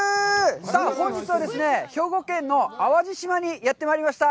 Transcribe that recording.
さあ本日はですね、兵庫県の淡路島にやってまいりました。